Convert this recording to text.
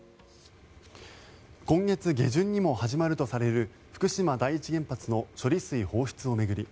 今月下旬にも始まるとされる福島第一原発の処理水放出を巡り